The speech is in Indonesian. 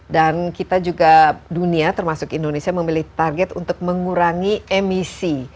dan kita juga dunia termasuk indonesia memiliki target untuk mengurangi emisi